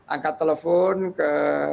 angkat telepon ke